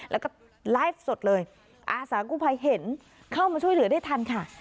แล้วก็ไลฟ์สดเลยอาสากู้ภัยเห็นเข้ามาช่วยเหลือได้ทันค่ะ